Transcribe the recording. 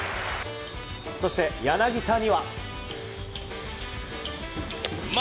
そして、柳田には。